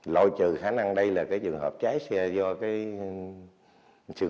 lôi trừ khả năng đây là cái trường hợp trái xe do cái sự cố kỹ thuật